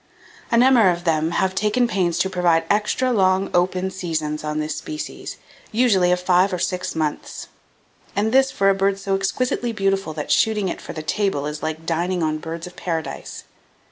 A number of them have taken pains to provide extra long OPEN seasons on this species, usually of five or six months!! And this for a bird so exquisitely beautiful that shooting it for the table is like dining on birds of paradise.